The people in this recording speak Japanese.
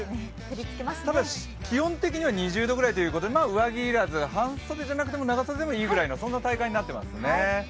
ただし、気温的には２０度ぐらいということで上着要らず、半袖じゃなくても、長袖でもいいぐらいな体感になっていますね。